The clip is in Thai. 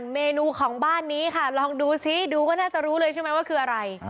เมนูของบ้านนี้ค่ะลองดูซิดูก็น่าจะรู้เลยใช่ไหมว่าคืออะไร